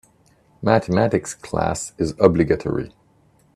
Mathematics class is obligatory.